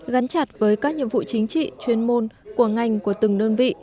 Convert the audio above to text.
gắn chặt với các nhiệm vụ chính trị chuyên môn của ngành của từng đơn vị